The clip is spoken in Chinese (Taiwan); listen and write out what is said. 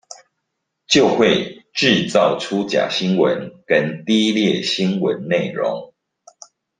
就會製造出假新聞跟低劣新聞內容